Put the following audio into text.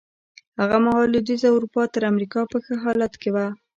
هغه مهال لوېدیځه اروپا تر امریکا په ښه حالت کې وه.